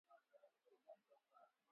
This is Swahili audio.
Mfumuko wa bei uko asilimia sita.